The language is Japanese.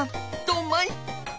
どんまい！